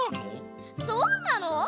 そうなの？